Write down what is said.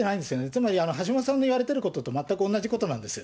つまり、橋下さんの言われていることと全く同じことなんです。